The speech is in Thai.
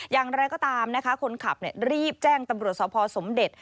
อย่างไรก็ตามนะคะคนขับรีบแจ้งตำรวจสภสมเด็จ